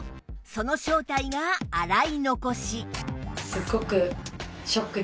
その正体が洗い残し